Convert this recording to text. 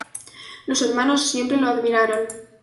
Los hermanos siempre lo admiraron.